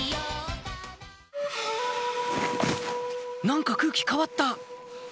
「何か空気変わった」